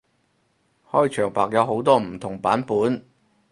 開場白有好多唔同版本